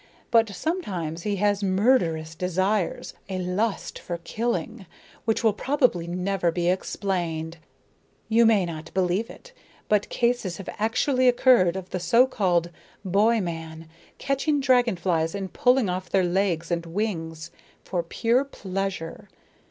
But sometimes he has murderous desires, a lust for killing, which will probably never be explained. You may not believe it, but cases have actually occurred of the so called boy men catching dragon flies and pulling off their legs and wings for pure pleasure.